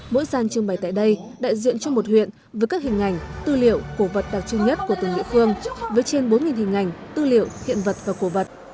mỗi gian trưng bày tại đây đại diện cho một huyện với các hình ảnh tư liệu cổ vật đặc trưng nhất của từng địa phương với trên bốn hình ảnh tư liệu hiện vật và cổ vật